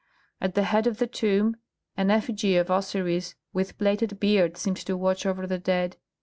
At the head of the tomb an effigy of Osiris with plaited beard seemed to watch over the dead.